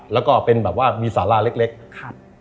แล้วก็เป็นแบบว่ามีสาราเล็กครับ